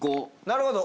なるほど！